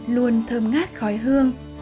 luôn thơm ngát khói hương